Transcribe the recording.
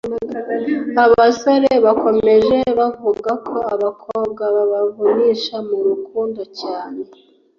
Abasore bakomeje bavuga ko abakobwa babavunisha mu rukundo cyane